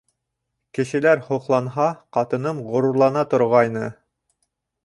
Кешеләр һоҡланһа, ҡатыным ғорурлана торғайны.